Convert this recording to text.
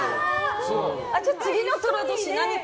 じゃあ、次の寅年何か。